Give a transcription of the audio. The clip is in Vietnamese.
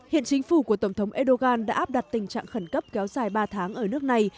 hiện chính phủ của tổng thống erdogan đã áp đặt tình trạng khẩn cấp kéo dài ba tháng ở nước này